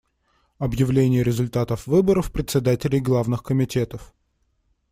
Объявление результатов выборов председателей главных комитетов.